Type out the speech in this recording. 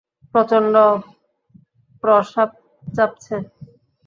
প্রচন্ড প্রসাব চাপছে।